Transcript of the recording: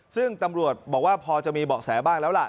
ซึ่งตำรวจบอกว่าพอจะมีเบาะแสบ้างแล้วล่ะ